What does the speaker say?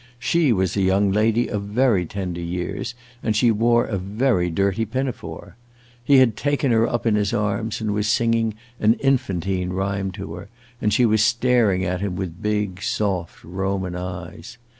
She was a young lady of very tender years and she wore a very dirty pinafore. He had taken her up in his arms and was singing an infantine rhyme to her, and she was staring at him with big, soft Roman eyes.